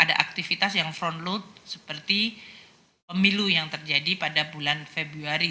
ada aktivitas yang front load seperti pemilu yang terjadi pada bulan februari